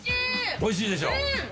おいしいでしょ。